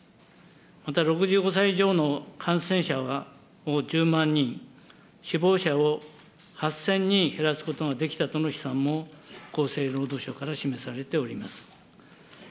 また６５歳以上の感染者は１０万人、死亡者を８０００人減らすことができたとの試算も厚生労働省から示されております。